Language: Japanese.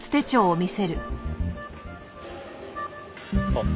あっ。